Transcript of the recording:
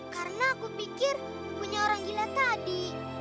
karena aku pikir punya orang gila tadi